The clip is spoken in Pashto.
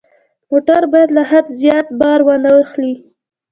موټر باید له حد زیات بار وانه خلي.